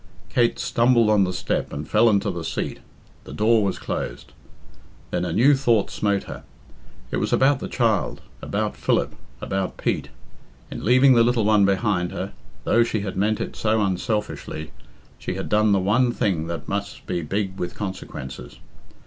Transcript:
Kate stumbled on the step and fell into the seat. The door was closed. Then a new thought smote her. It was about the child, about Philip, about Pete. In leaving the little one behind her, though she had meant it so unselfishly, she had done the one thing that must be big with consequences.